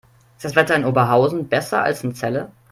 Ist das Wetter in Oberhausen besser als in Celle?